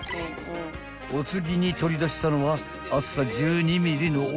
［お次に取り出したのは厚さ１２ｍｍの大きな板］